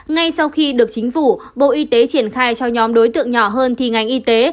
ngay sau khi được chính phủ bộ y tế triển khai cho nhóm đối tượng nhỏ hơn thì ngành y tế